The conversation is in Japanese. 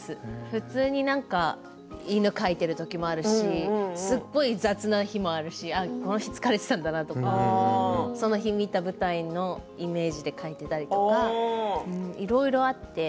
普通に犬のを描いているときもあるしすごく楽な日もあるしこの日、疲れていたんだなとかその日見た舞台のイメージで描いていたりとかいろいろあって。